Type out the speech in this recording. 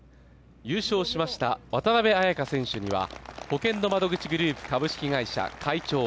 優勝しました渡邉彩香選手にはほけんの窓口グループ株式会社会長